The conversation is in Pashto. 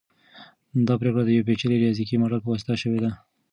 دا پریکړه د یو پیچلي ریاضیکي ماډل په واسطه شوې ده.